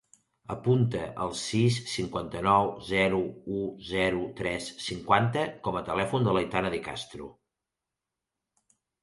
Apunta el sis, cinquanta-nou, zero, u, zero, tres, cinquanta com a telèfon de l'Aitana De Castro.